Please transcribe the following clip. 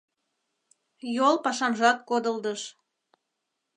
Йол пашамжат кодылдыш.